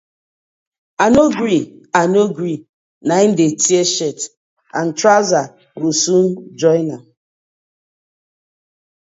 I no gree, I no gree, na im dey tear shirt and trouser go soon join.